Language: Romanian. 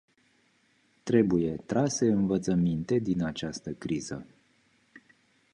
Trebuie trase învățăminte din această criză.